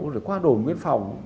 rồi qua đồ nguyên phòng